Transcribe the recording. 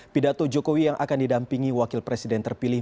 pidato jokowi yang akan didampingi wakil presiden terpilih